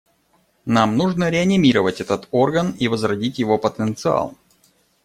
Нам нужно реанимировать этот орган и возродить его потенциал.